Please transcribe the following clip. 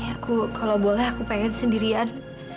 aku kalau boleh aku pengen sendirian